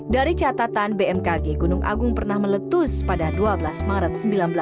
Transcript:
dari catatan bmkg gunung agung pernah meletus pada dua belas maret seribu sembilan ratus enam puluh